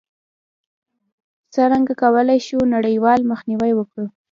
څرنګه کولای شو نړیوال مخنیوی وکړو؟